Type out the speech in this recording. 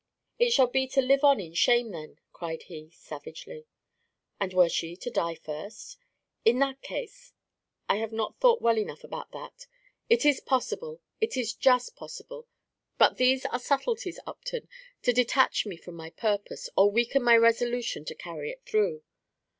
"It shall be to live on in shame, then," cried he, savagely. "And were she to die first?" "In that case I have not thought well enough about that. It is possible, it is just possible; but these are subtleties, Upton, to detach me from my purpose, or weaken my resolution to carry it through.